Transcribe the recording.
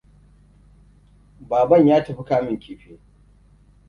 Baban ya tafi kamun kifi.